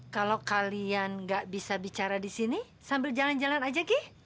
kalau kalian gak bisa bicara di sini sambil jalan jalan aja ki